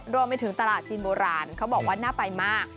รวมไปถึงตลาดจีนโบราณเขาบอกว่าน่าไปมาก